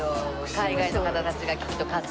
海外の方たちがきっと買って。